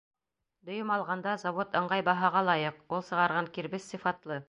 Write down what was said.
— Дөйөм алғанда, завод ыңғай баһаға лайыҡ, ул сығарған кирбес сифатлы.